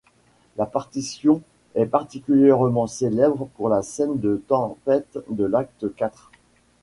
La partition est particulièrement célèbre pour la scène de tempête de l'acte quatre.